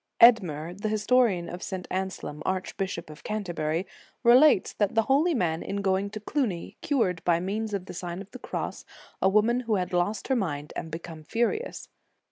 Edmer, the historian of St. Anselm, arch bishop of Canterbury, relates that the holy man in going to Cluny, cured, by means of the Sign of the Cross, a woman who had lost her mind, and become furious.